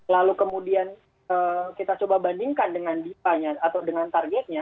lalu kemudian kita coba bandingkan dengan dipanya atau dengan targetnya